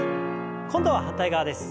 今度は反対側です。